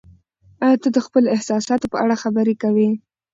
ایا ته د خپلو احساساتو په اړه خبرې کوې؟